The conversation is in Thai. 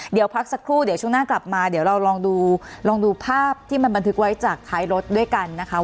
เดี๋ยวพักสักครู่ช่วงหน้ากลับมาเราลองดูภาพที่มันบันทึกไว้จากคลายลดด้วยกันนะคะ